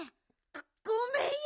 ごめんよ！